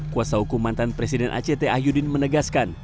kuasa hukum mantan presiden act ahyudin menegaskan